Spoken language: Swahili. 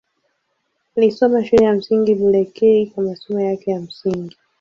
Alisoma Shule ya Msingi Bulekei kwa masomo yake ya msingi.